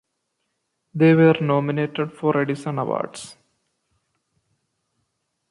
They were nominated for Edison Awards.